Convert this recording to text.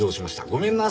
ごめんな。